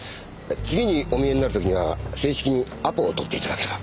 次にお見えになる時には正式にアポを取って頂ければ。